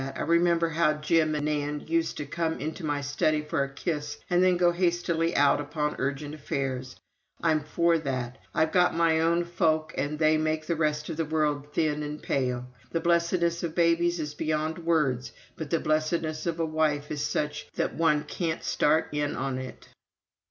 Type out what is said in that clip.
I remember how Jim and Nand used to come into my study for a kiss and then go hastily out upon urgent affairs. I'm for that. ... I've got my own folk and they make the rest of the world thin and pale. The blessedness of babies is beyond words, but the blessedness of a wife is such that one can't start in on it."